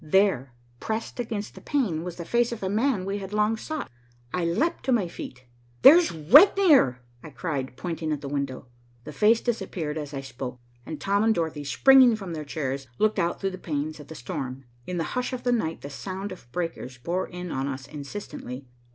There, pressed against the pane, was the face of a man we had long sought. I leaped to my feet. "There's Regnier!" I cried, pointing at the window. The face disappeared as I spoke, and Tom and Dorothy, springing from their chairs, looked out through the panes at the storm. In the hush of the night the sound of breakers bore in on us insistently.